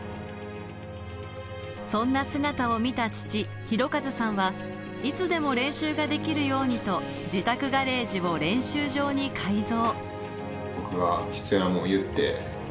そんな姿を見た父・博和さんはいつでも練習ができるようにと、自宅ガレージを練習場に改造。